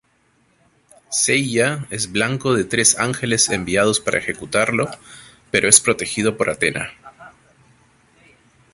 Seiya es blanco de tres ángeles enviados para ejecutarlo pero es protegido por Athena.